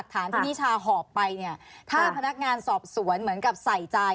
ถ้านักงานสอบสวนเหมือนกับใส่ใจ